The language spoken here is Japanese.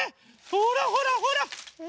ほらほらほら！